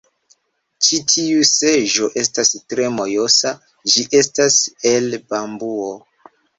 Ĉi tiu seĝo estas tre mojosa ĝi estas el bambuo